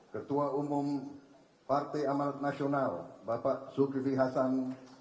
ketua umum partai amanat nasional bapak zulkifli hasan